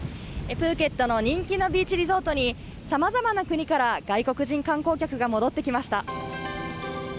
プーケットの人気のビーチリゾートに、さまざまな国から外国人観光客が戻ってきました。